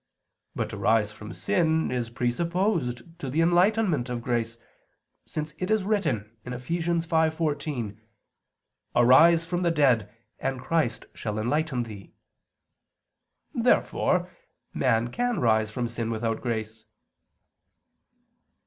But to rise from sin is presupposed to the enlightenment of grace; since it is written (Eph. 5:14): "Arise from the dead and Christ shall enlighten thee." Therefore man can rise from sin without grace.